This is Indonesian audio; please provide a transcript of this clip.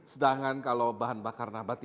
sedangkan kalau bahan bakar nabati